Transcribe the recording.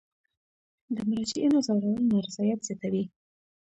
د مراجعینو ځورول نارضایت زیاتوي.